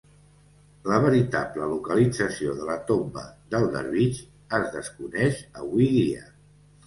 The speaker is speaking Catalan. La veritable localització de la tomba del dervix es desconeix avui dia.